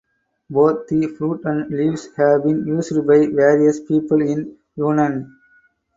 Both the fruit and leaves have been used by various peoples in Yunnan.